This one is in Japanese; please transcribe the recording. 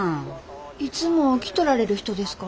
いつも来とられる人ですか？